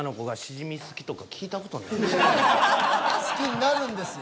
好きになるんですよ。